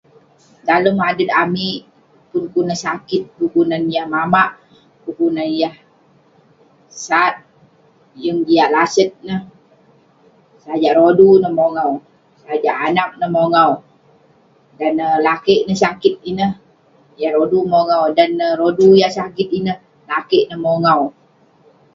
Dalem adet amik, pun kelunan sakit pun kelunan yah mamak, pun kelunan yah sat, yeng jiak laset neh, sajak rodu neh mongau, sajak anag neh mongau, dan neh lakeik neh sakit ineh, yah rodu mongau..dan neh rodu yah sakit ineh, lakeik neh mongau..